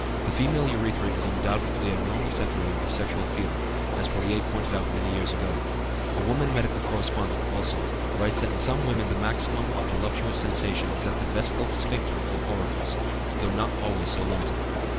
The female urethra is undoubtedly a normal centre of sexual feeling, as Pouillet pointed out many years ago; a woman medical correspondent, also, writes that in some women the maximum of voluptuous sensation is at the vesical sphincter or orifice, though not always so limited.